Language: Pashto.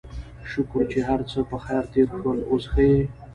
شکر چې هرڅه پخير تېر شول، اوس ښه يې؟